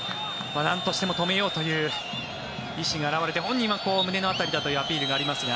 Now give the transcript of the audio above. なんとしても止めようという意思が表れて本人は胸の辺りだというアピールがありますが。